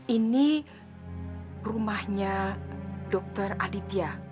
ini rumahnya dokter aditya